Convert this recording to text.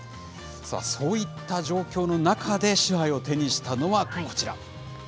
そういった状況の中で賜杯を手にしたのは、こちら。